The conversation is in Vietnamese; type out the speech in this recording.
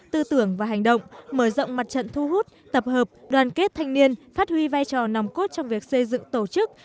tư tưởng và hành động mở rộng mặt trận thu hút tập hợp đoàn kết thanh niên phát huy vai trò nòng cốt trong việc xây dựng tổ chức